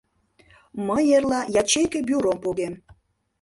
Мый эрла ячейке бюром погем.